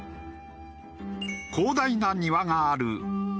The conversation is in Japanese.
広大な庭がある築